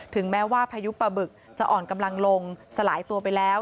แม้ว่าพายุปลาบึกจะอ่อนกำลังลงสลายตัวไปแล้ว